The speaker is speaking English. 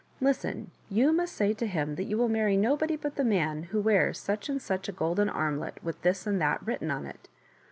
Listen, you must say to him that you will marry nobody but the man who wears such and such a golden armlet with this and that written on it."